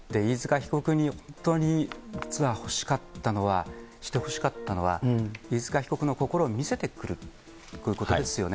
被告に本当に実はほしかったのは、してほしかったのは、飯塚被告の心を見せてくることですよね。